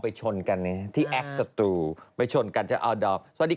ไปชนกันเนี้ยที่แอดสะตูไปชนกันจะเอาดองสวัสดี